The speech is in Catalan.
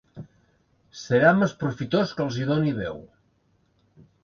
Serà més profitós que els hi doni veu.